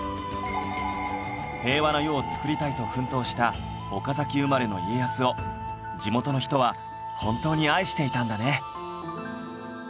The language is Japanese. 平和な世を作りたいと奮闘した岡崎生まれの家康を地元の人は本当に愛していたんだね